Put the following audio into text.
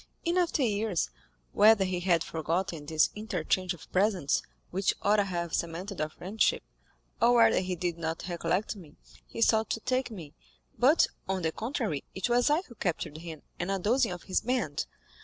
In after years, whether he had forgotten this interchange of presents, which ought to have cemented our friendship, or whether he did not recollect me, he sought to take me, but, on the contrary, it was I who captured him and a dozen of his band.